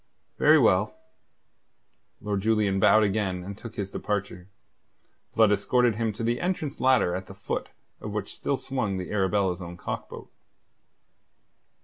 "Very well." Lord Julian bowed again and took his departure. Blood escorted him to the entrance ladder at the foot of which still swung the Arabella's own cock boat.